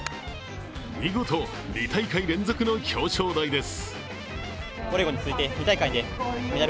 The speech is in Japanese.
見事、２大会連続の表彰台です。